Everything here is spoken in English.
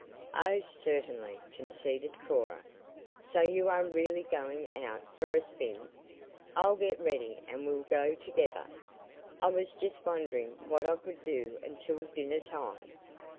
"Oh, certainly," conceded Cora. "So you are really going out for a spin? I'll get ready and we'll go together: I was just wondering what I could do until dinner time.